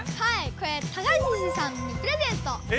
これ高岸さんにプレゼント！